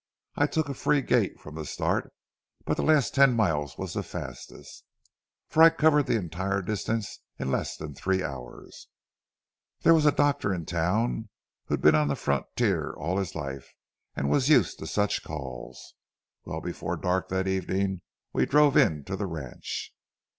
I took a free gait from the start, but the last ten miles was the fastest, for I covered the entire distance in less than three hours. There was a doctor in the town who'd been on the frontier all of his life, and was used to such calls. Well, before dark that evening we drove into the ranch.